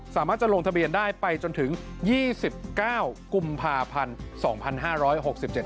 สามารถจะลงทะเบียนได้ไปจนถึง๒๙กุมภาพันธุ์๒๕๖๗